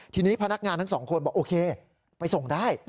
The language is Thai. ทีนี้พนักงานทั้งสองคนบอกโอเคไปส่งได้